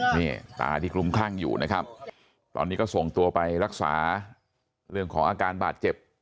นี่ตาที่คลุมคลั่งอยู่นะครับตอนนี้ก็ส่งตัวไปรักษาเรื่องของอาการบาดเจ็บ